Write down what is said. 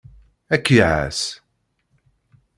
Ad k-iɛass.